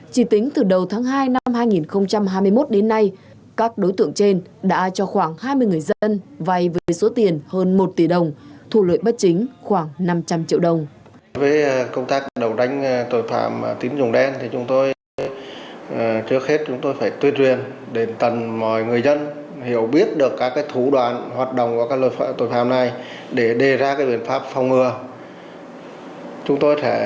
chỉ tính từ đầu tháng hai năm hai nghìn hai mươi một đến nay các đối tượng trên đã cho khoảng hai mươi người dân vai với số tiền hơn một tỷ đồng thu lợi bất chính khoảng năm trăm linh triệu đồng